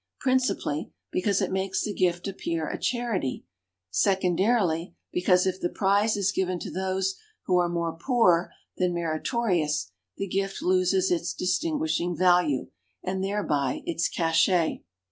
Principally, because it makes the gift appear a charity; secondarily, because if the prize is given to those who are more poor than meritorious the gift loses its distinguishing value, and thereby its cachet.